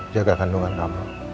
jaga kandungan kamu